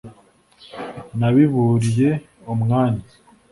nabiburiye umwanya